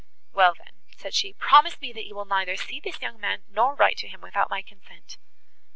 "Well, then," said she, "promise me that you will neither see this young man, nor write to him without my consent."